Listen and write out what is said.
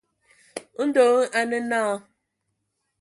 Ndɔ hm a nə naa.